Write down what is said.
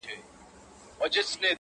د ميني شر نه دى چي څـوك يـې پــټ كړي،